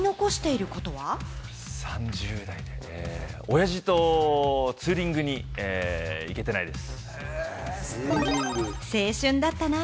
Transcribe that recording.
親父とツーリングに行けてないです。